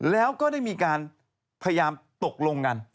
แล้วก็ได้มีการพยายามตกลงกัน